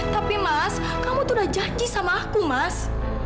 tapi mas kamu tuh udah janji sama aku mas